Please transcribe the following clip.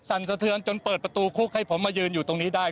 สะเทือนจนเปิดประตูคุกให้ผมมายืนอยู่ตรงนี้ได้